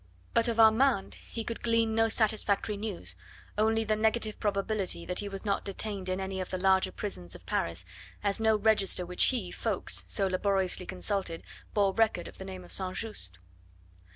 But of Armand he could glean no satisfactory news, only the negative probability that he was not detained in any of the larger prisons of Paris, as no register which he, Ffoulkes, so laboriously consulted bore record of the name of St. Just.